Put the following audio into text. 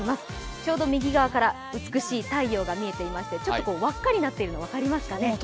ちょうど右側から美しい太陽が見えていまして、輪っかになってるの、分かりますかね。